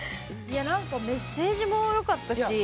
なんかメッセージもよかったし。